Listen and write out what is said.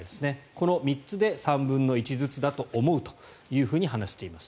この３つで３分の１ずつだと思うと話しています。